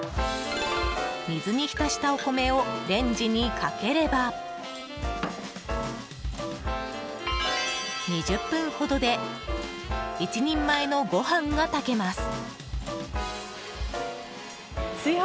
水に浸したお米をレンジにかければ２０分ほどで１人前のご飯が炊けます。